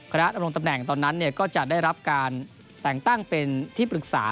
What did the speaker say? ดำรงตำแหน่งตอนนั้นก็จะได้รับการแต่งตั้งเป็นที่ปรึกษา